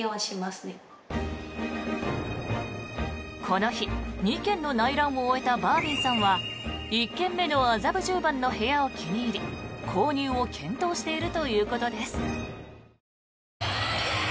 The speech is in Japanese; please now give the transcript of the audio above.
この日、２軒の内覧を終えたバービンさんは１軒目の麻布十番の部屋を気に入り購入を検討しているということです。